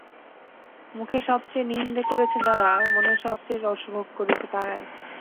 মুখে সব চেয়ে নিন্দে করেছে যারা, মনে সব চেয়ে রসভোগ করেছে তারাই।